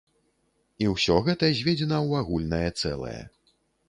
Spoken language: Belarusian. І ўсё гэта зведзена ў агульнае цэлае.